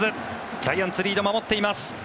ジャイアンツリードを保っています。